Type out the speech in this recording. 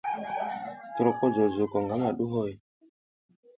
Ki roko jojo ko gamaɗuʼhoy?